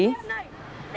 địt mẹ này